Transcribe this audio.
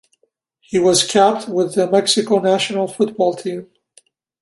He was capped with the Mexico national football team.